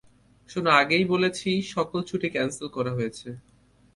শোনো, আগেই বলেছি সকল ছুটি ক্যান্সেল করা হয়েছে!